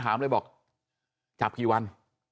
ถามเลยบอกจับกี่วัน